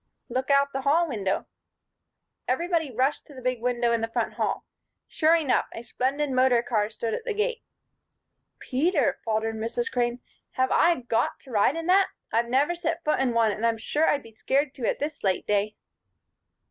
"Look out the hall window." Everybody rushed to the big window in the front hall. Sure enough! A splendid motor car stood at the gate. "Peter," faltered Mrs. Crane, "have I got to ride in that? I've never set foot in one, and I'm sure I'd be scared to at this late day."